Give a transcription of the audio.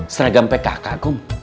seragam pkk kum